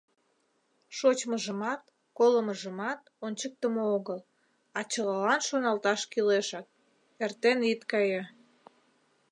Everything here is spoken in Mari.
Шочмыжымат, колымыжымат ончыктымо огыл, а чылалан шоналташ кӱлешак: «Эртен ит кае!